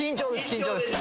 緊張です。